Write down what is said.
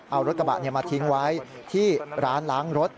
เอารถกระบะมาทิ้งไว้ที่ร้านล้างรถ